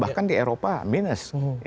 bahkan di eropa minus